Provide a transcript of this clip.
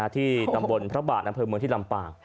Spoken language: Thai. ที่ตำบลพระบาทอำเภอเมืองที่ลำปาง